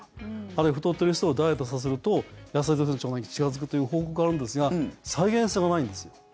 あるいは太ってる人をダイエットさせると痩せてる腸内に近付くという報告があるんですが再現性がないんですよ。